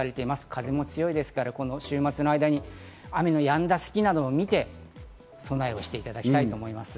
風も強いですから、週末の間に雨がやんだ隙などを見て備えをしていただきたいと思います。